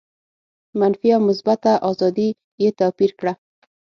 منفي او مثبته آزادي یې توپیر کړه.